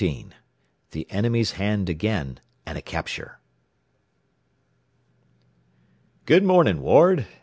XIX THE ENEMY'S HAND AGAIN, AND A CAPTURE "Good morning, Ward.